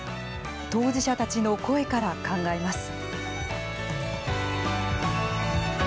当事者たちの声から考えます。